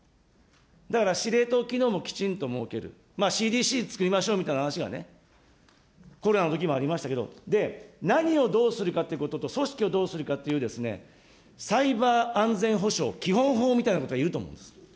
だから、司令塔機能もきちんと設ける、ＣＤＣつくりましょうみたいな話がね、コロナのときもありましたけれども、何をどうするかってことと、組織をどうするかというサイバー安全保障基本法みたいなものがいると思うんです。